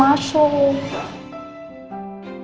berarti puisa dong kita